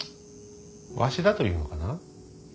わしだと言うのかな。